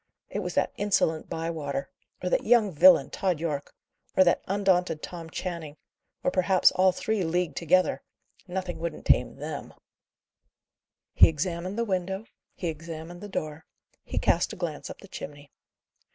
It was that insolent Bywater! or that young villain, Tod Yorke! or that undaunted Tom Channing! or perhaps all three leagued together! Nothing wouldn't tame them." He examined the window; he examined the door; he cast a glance up the chimney.